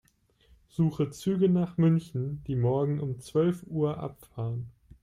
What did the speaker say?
Suche Züge nach München, die morgen um zwölf Uhr abfahren.